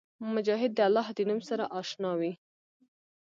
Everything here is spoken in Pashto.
مجاهد د الله د نوم سره اشنا وي.